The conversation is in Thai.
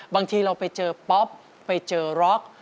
บางทีเราไปเจอป๊อปไปเจอล็อก